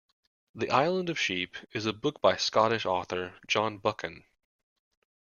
The Island of Sheep is a book by the Scottish author John Buchan